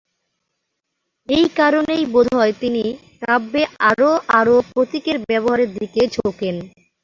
এই কারণেই বোধহয় তিনি কাব্যে আরও আরও প্রতীকের ব্যবহারের দিকে ঝোঁকেন।